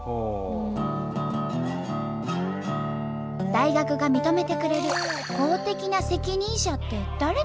大学が認めてくれる公的な責任者って誰だろう？